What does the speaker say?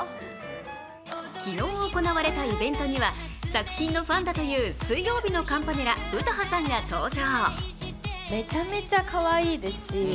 昨日行われたイベントには作品のファンだという水曜日のカンパネラ、詩羽さんが登場。